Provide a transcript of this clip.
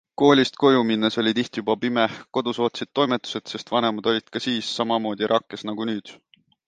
Koolist koju minnes oli tihti juba pime, kodus ootasid toimetused, sest vanemad olid ka siis samamoodi rakkes nagu nüüd.